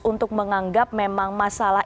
untuk menganggap memang masalah